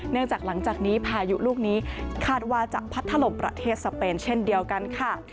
หลังจากหลังจากนี้พายุลูกนี้คาดว่าจะพัดถล่มประเทศสเปนเช่นเดียวกันค่ะ